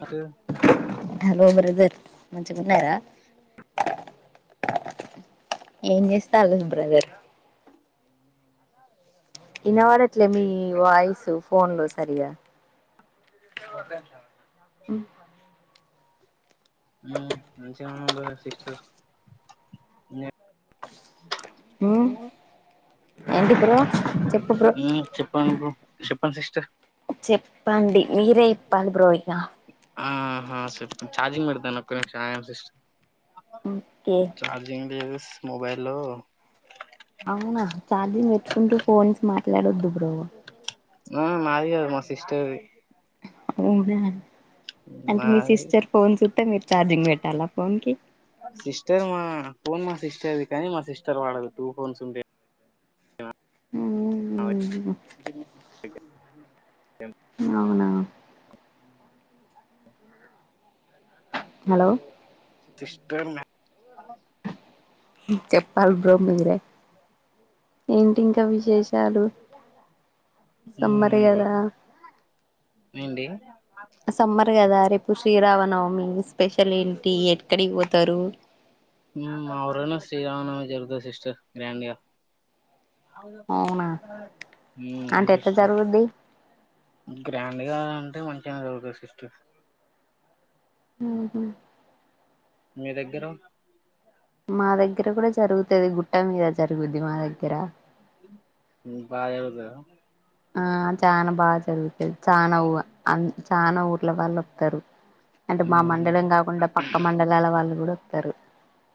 అంటే దర్ మంచిగున్నారా ఏం చేస్తవు బ్రదర్ ఇన్నవాడట్లే మీ వాయిసు ఫోన్ లో సరిగా మ్ మంచిగా [inaudible] సిస్టర్ ఏంటి బ్రో చెప్పు బ్రో ప్పండి సిస్టర్ చెప్ ప్పండి మీరే ప్పాలిబ్రో ఇగా ఆహా సే చార్జింగ్ పెడతా నొక్కవే చాయా సిస్ట ఓకే చార్జింగ్ [unintelligible] మొబైల్ లో మాట్లాడద్దు బ్రో ఆ మాది మా సిస్టర్ [unintelligible] అంటే మీ నాది సిస్టర్ ఫోన్ చూస్తా మీరు చార్జింగ్ పెట్టాలా ఫోన్ కి సిస్టర్ మా ఫోన్ మా సిస్టర్ది కానీ మా సిస్టర్ వాడదు టూ ఫోన్స్ ఉండే ఉ ఉమ్మ్మ్ అవునవును హలో ఇష్టమే చెప్పాలి బ్రో మీరే ఏంటి ఇంకా విశేషాలు మ్మ్ సమ్మరీయాదా ఏంటి సమ్మర్ కదా రేపు శ్రీరామనవమి స్పెషల్ ఏంటి ఎక్కడికి పో తరు హ్మ్మ్ ఎవురన్న శ్రీరామనామ నవ జరుగుతాది సిస్టర్ గ్రాండ్గా అవునా హ్మ్మ్ అంటే ఎట్లా జరుగుద్ది గ్రాండ్గా అంటే మంచి హ ఒకే సిస్టర్ ఉహూ మీ దగ్గర మా దగ్గర కూడా జరుగుతాది గుట్ట మీద జరుగుద్ది మా దగ్గర బా జరుగుతాదా ఆ చానా బాగా జరుగుతాది చానాఊ చానా ఊర్ల వాళ్ళొత్తారు అంటే మా మ్మ్ మండలం కాకుండా పక్క మండలాల వాళ్ళు కూడా తరు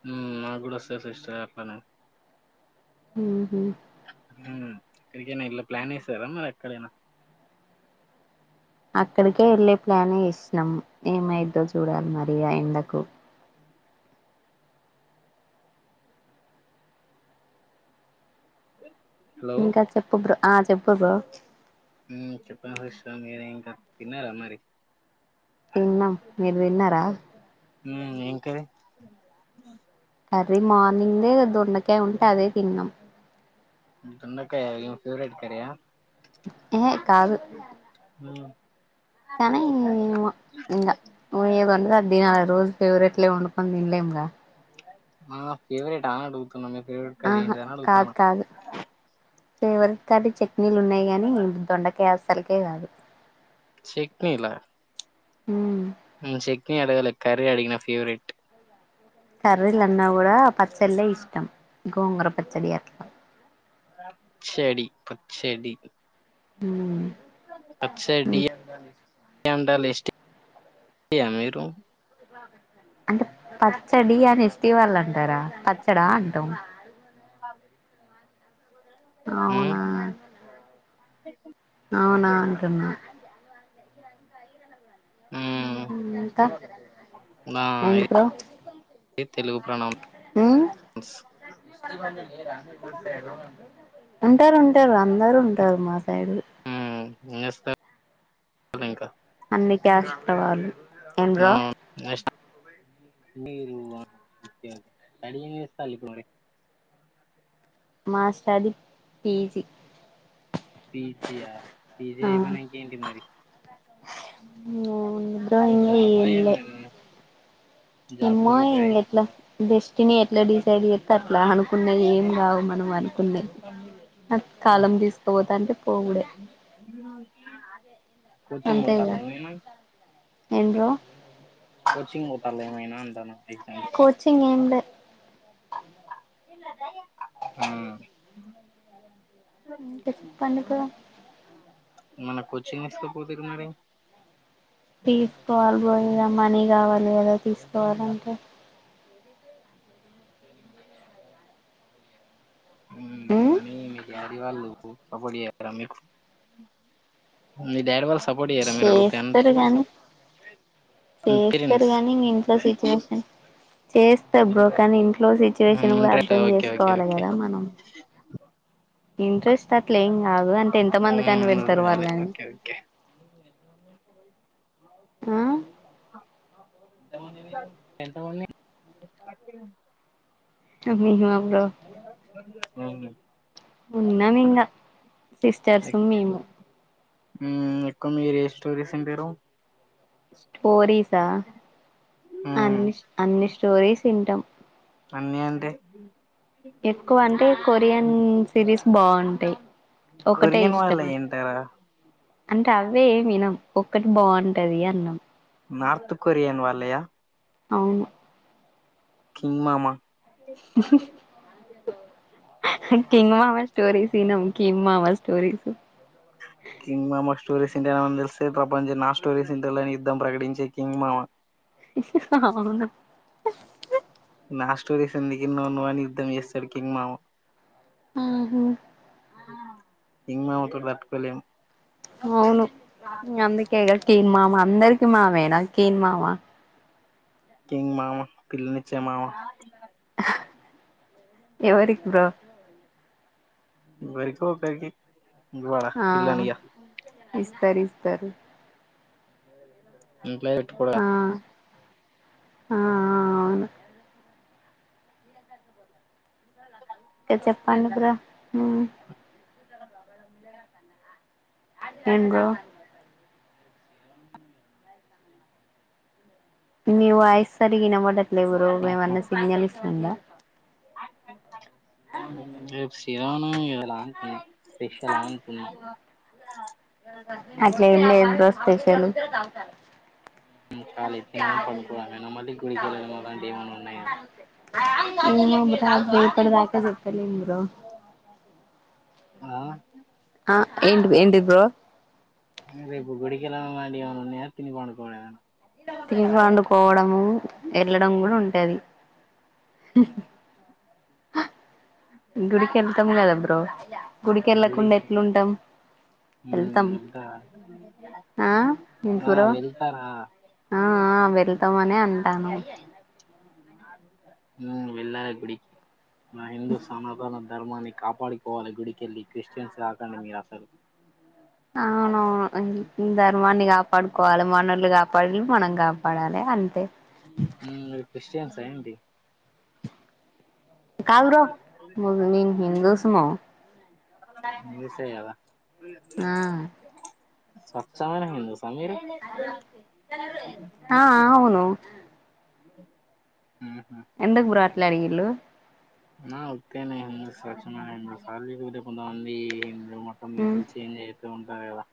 హ్మ్మ్ నాకు కూడా వస్తాయ్ సిస్టర్ అట్లానే ఉహూ ఇక్కడికైనా ఇల్లా ప్లాన్ వసారా మరి ఎక్కడైనా అక్కడికే వెళ్ళే ప్లాన్ ఏసినాం ఏమైద్దో చూడాలి మరి ఆ ఎందకు హలో ఇంకా చెప్పు బ్రో ఆ చెప్పుర బ్రో హ్మ్మ్ చెప్పు మహేష్ మీర ఇంకా తిన్నారా మరి తిన్నం మీరు వ తిన్నారా ఉ ఏం కర్రీ అదీ మార్నింగ్ దొండకాయ ఉంటే అదే తిన్నాం [unintelligible] దొండకాయ ఈమె ఫవరెట్ కర్రీ అ ఏహే మ్మ్ కనీ ఇకావి ఏద వంట అది నాలు రోజు ఫేవరెట్లే వండుకుని తంలేంగా ఫేవరెట్ [unintelligible] మీ ఫేవరెట్ కర్రీ ఆహా ఏంటిదని అడుగుతాను ఫేవరేట్ అది చె నీళ్ళు ఉన్నాయి గానీ దొండకాయస్ సలికే కాదు చెట్నిలా ఉమ్ ను చట్నీ అడగల కర్రీ అడిగిన ఫేవరెట్ కర్రీలు ఉన్నా కూడా పచ్చళ్లే ఇష్టం గోంగర పచ్చడి అట్లా చెడి పచ్చడి మ్ పచ్చడి [unintelligible] ఏ అ మీరు అంటే పచ్చడి అని ఎస్టీ వాళ్ళు అంటారా పచ్చడా అంటాం అవునా అవునా అంటున్నా ఉ ఉమ్ హు ఇంకా నా ఏంటి బ్రో తెలుగు ప్రణవ్ ఉమ్ స్ [unintelligible] ఉంటారు ఉంటారు అందరు ఉంటారు మా సైడ్ ఎం చే ఇంకా అన్ని కాస్ట్ వాళ్ళు ఏం బ్రో ఆ అ నెక్ట్స్ మీరు [inaudible] మాస్టర్ది పిజి పిజియా పీజి అయిపోయినా క ఏంటి మరి ఉ బ్రో ఇంకా జాబా ఎం లే ఏమైనా జాబ్ కు ఎమ్మా ప్రిపేర్ ఎట్లా అయితున్నారా బస్ తిని ఎట్లా తీసి చదిగితే అట్లా అనుకున్న ఏం కావు మనం అనుకునది అ అ కాలం తీసుకుపోతా అంటే పోవుడే కోచింగ్ పోతందా ఎమైనా ఎమ్ బ్రో పోతాల్లా ఏమైనా అంటానా ఎగ్జామ్స్ కోచింగ్ ఏంలెద్ ఏన్న దయ [inaudible] [unintelligible] పనికిరా మన కొచింగ్ ఎట్ల పోతుంది మరి తీసుకోవాలి బ్రో ఇంగ మనీ కావాలి కదా తీసుకోవాలంటే ఉమ్ మనీ మీ డాడీ వాళ్ళు సపోర్ట్ చేయ్యారా మీకు మీ డాడీ వాళ్ళు సపోర్ట్ చేయరా మీరు అడుగుతే చేస్తారు గాని చేస్తారు పేరెంట్స్ నీ ఇ ఇంట్లో చెస్ట్ చేస్తా బ్రో కానీ ఇ ఇంట్లొ సిచ్యువేషన్ కూడా ఇంట్రెస్ట్ అర్థం ఓకే ఓకే చేసుకోవాలి ఓకే కదా మనం ఇంట్రెస్ట్ అట్లే ఏం కాదు అంటే ఎంత మంది మ్మ్, అదే కనిపెడతారు అదే వాళ్ళని ఓకే ఓకే ఆ ఎంత మంది అదె గా బ్రో ఆ [unintelligible] ఉన్నాం ఇంకా సిస్టర్స్ మేము ఎక్కువ మీరు ఏ స్టోరీస్ ఇంటారు స్టోరీసా ఉమ్ అన్ని అన్ని స్టోరీస్ ఇంటమ్ అన్నీ అంటె ఎక్కువ అంటే కొరియన్ సిరీస్ బావుం టయ్ ఒకటే కొరియన్ ఇష్టం వాళ్ళయి అంటారా అంటే అవ్వె ఏమి వినం ఒక్కటి బావుంటది అన్నం నార్త్ కొరిన్ వాళ్ళయా అవును కింగ్ మామా కింగ్ మామ స్టోరీస్ తినం కిమ్ మామా స్టోరిస్ కింగ్ మామ స్టోరీసింటేనం అని తెలిస్తే. ఈ ప్రపంచం నా స్టోరీస్ ఇంటలని యుద్ధం ప్రకటించే కింగ్ మావ. అవును నా స్టోరీస్ ఎందుకిన్నావ్ నువ్ అని యుద్ధం చేస్తాడు కింగ్ మావ ఆహ్ హు కింగ్ మావతో తట్కులేం అవును ఇంగ అందుకేగడ్ కింగ్ మామ అందరికి మావేనా కిన్ మావా కింగ్ మామ పిల్లనిచ్చే మామా ఎవరికి బ్రో ఇపుడివరికి ఒకరికి ఆ [unintelligible] ఇస్తారు ఇస్తారు ఇంట్లో ఎట్టుకొడుగా ఆ ఆ అవును ఇంకా చెప్పండి బ్రో ఉహ్ [unintelligible] ఏం బ్రో నీ వాయిస్ సరిగినవాడట్లేవు ఇప్పుడు మేం అన్న సింగాలిస్ అంద [unintelligible] వోమ్ రేప్ షి ఇరానం ఎవలా [unintelligible] అట్లెం లేదు బ్రో స్పెషలు కాలే తినడం పండుకోవడమేనా మళ్ళీ గుడికి వెళ్ళడం అలాంటివి ఏమైనా ఉన్నాయా [unintelligible] ఇప్పటిదాకా చెప్పలేంది బ్రో ఆ ఆ ఏంటి ఏంటిద్ బ్రో రేపు గుడికా రావలేమనవున్నాయ. తిని పండుకోవడమేన తిని పండుకోవడము ఎళ్ళడం కూడా ఉంటది [inaudible] గుడికెళ్తం కదా బ్రో గుడికి వెళ్ళకుండా ఎట్లుంటాం వెళ్తాం వెళ్తా ఆ ఇ ఆ బ్రో వెళ్తారా ఆ ఆ వెళ్తామ అని అంటనం ఊ వెళ్ళాలే గుడికి నా హిందూస్ ధర్మాన్ని కాపాడుకోవాలి గుడికెళ్ళి క్రిస్టియన్స్ కాకండి మీరు అసలు అవునవును ఈ ధర్మాన్ని కాపాడుకోవాలి మనలు కాపాడిలు మనం కాపాడాలే అంతే ఉమ్ లే క్రిస్టియన్సా ఏంటి కాదు బ్రో మేము హిందూస్ము మూసేగదా ఆ స్వచ్ఛమైన న్యూస్ పన్నీరు ఆ అవును ఎందుకూర ఆట్లా అడిగిళ్లు ఉన్నా ఒక్కనే ఉన్న [unintelligible] నిన్ మొతం. నీ [unintelligible] లేద్ తూ ఉంటాయ్ కదా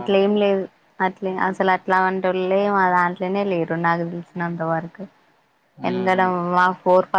అట్లే ఏం లేదు అట్లే అసలు అట్లంటోళ్లేే మా దాంట్ల నే లేరు నాగదీసినంతవరకు మ్మ్ హ్మ్ ఎండడం వా ఫోర్ ఫ